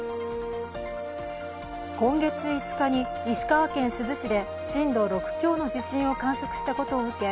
今月５日に石川県珠洲市で震度６強の地震を観測したことを受け